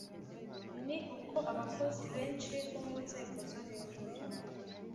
ni uko abakozi benshi bo nzego zo hejuru